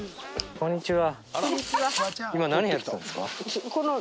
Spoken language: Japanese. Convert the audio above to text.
こんにちは。